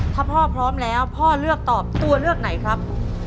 ถ้าพ่อพร้อมแล้วพ่อเลือกตอบตัวเลือกไหนครับ